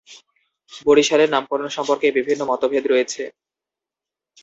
বরিশালের নামকরণ সম্পর্কে বিভিন্ন মতভেদ রয়েছে।